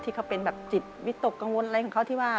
ที่เขาเป็นแบบจิตวิตกกังวลอะไรของเขาที่ว่า